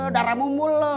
darah mumul lo